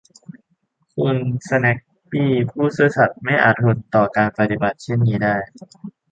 คุณสแนกส์บี้ผู้ซื่อสัตย์ไม่อาจทนต่อการปฏิบัติเช่นนี้ได้